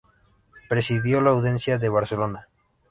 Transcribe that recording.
Presidió la Audiencia de Barcelona.